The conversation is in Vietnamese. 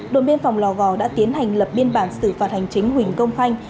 đồn biên phòng lò gò đã tiến hành lập biên bản xử phạt hành chính huỳnh công khanh